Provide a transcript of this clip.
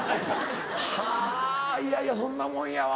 はぁいやいやそんなもんやわ。